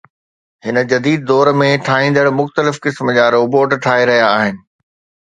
هن جديد دور ۾، ٺاهيندڙ مختلف قسم جا روبوٽ ٺاهي رهيا آهن